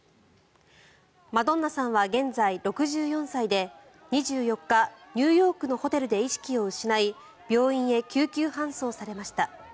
マドンナさんは現在６４歳で２４日、ニューヨークのホテルで意識を失い病院へ救急搬送されました。